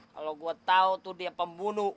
kalau gue tahu tuh dia pembunuh